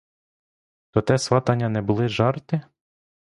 То те сватання не були жарти?